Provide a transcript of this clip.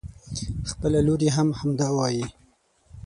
خپله لور يې هم همدا وايي.